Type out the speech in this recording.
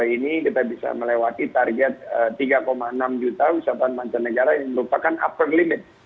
dua ribu dua puluh dua ini kita bisa melewati target tiga enam juta usahawan mancanegara yang merupakan upper limit